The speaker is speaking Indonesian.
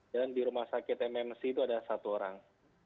dan di rumah sakit mmc itu ada satu orang